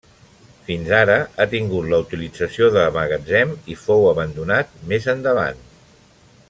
Fins ara ha tingut la utilització de magatzem i fou abandonat més endavant.